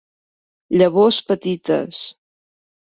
Llavors petites.